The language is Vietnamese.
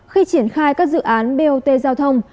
khi triển khai các dự án bot giao thông